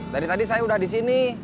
dari tadi saya udah disini